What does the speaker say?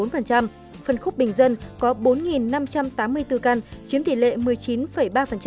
phân khúc bình dân có bốn năm trăm tám mươi bốn căn chiếm tỷ lệ một mươi chín ba